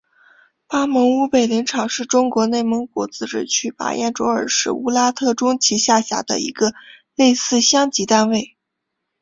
巴盟乌北林场是中国内蒙古自治区巴彦淖尔市乌拉特中旗下辖的一个类似乡级单位。